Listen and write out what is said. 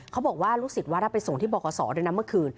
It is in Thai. เขาบอกว่าลูกศิษย์วัดอับไปสงฆ์ที่บอกกับสอเดือนนั้นเมื่อคืน